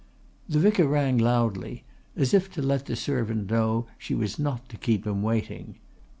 The vicar rang loudly, as if to let the servant know she was not to keep him waiting.